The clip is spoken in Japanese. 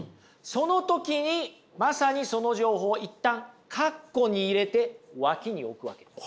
その時にまさにその情報を一旦カッコに入れて脇に置くわけです。